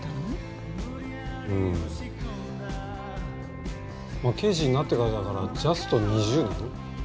うんまあ刑事になってからだからジャスト２０年？